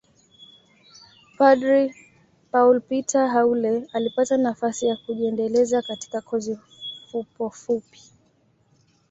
Padre Paul Peter Haule alipata nafasi ya kujiendeleza katika kozi fupofupi